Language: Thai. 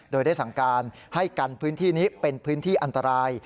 โดยได้สั่งการให้กันพื้นที่นี้เป็นพื้นที่อันตราย